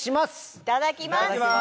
いただきます！